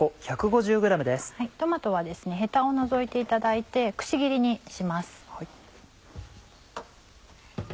トマトはヘタを除いていただいてくし切りにします。